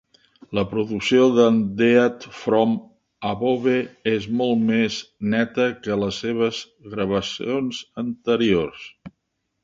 La producció de Death from Above és molt més neta que les seves gravacions anteriors.